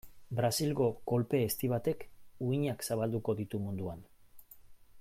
Brasilgo kolpe ezti batek uhinak zabalduko ditu munduan.